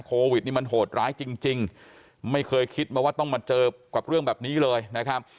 โควิดนี่มันโหดร้ายจริงจริงไม่เคยคิดมาว่าต้องมาเจอกับเรื่องแบบนี้เลยนะครับ